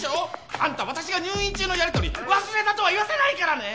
あんた私が入院中のやり取り忘れたとは言わせないからね！